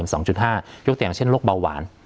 ยกตัวอย่างเช่นโรคเบาหวาน